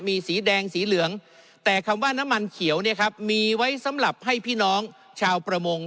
มีสีแดงสีเหลืองแต่คำว่าน้ำมันเขียวเนี่ยครับมีไว้สำหรับให้พี่น้องชาวประมง